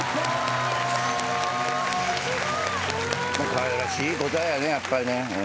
かわいらしい答えやねやっぱりね。